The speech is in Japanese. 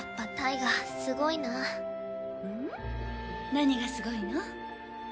何がすごいの？